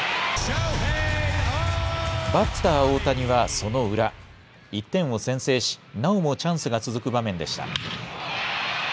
バッター、大谷はその裏、１点を先制し、なおもチャンスが続く場面でした。